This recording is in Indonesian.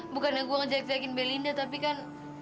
bukannya gue ngejek jekin belinda tapi kan